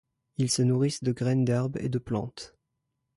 Ils se nourrissent de graines d'herbes et de plantes.